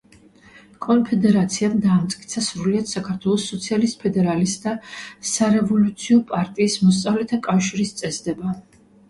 კონფედერაციამ დაამტკიცა სრულიად საქართველოს სოციალისტ-ფედერალისტთა სარევოლუციო პარტიის მოსწავლეთა კავშირის წესდება.